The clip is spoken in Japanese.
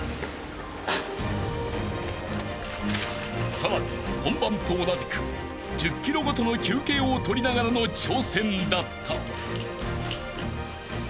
［さらに本番と同じく１０ｋｍごとの休憩をとりながらの挑戦だった］